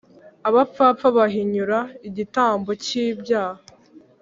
abapfapfa bahinyura igitambo cy’ibyaha,